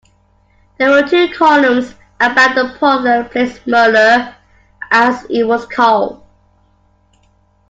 There were two columns about the Portland Place Murder, as it was called.